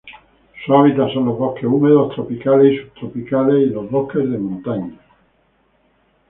Su hábitat son los bosques húmedos tropicales y subtropicales y los bosques de montaña.